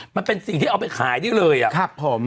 มันเป็นสิ่งที่เอาไปขายได้เลยอะครับผม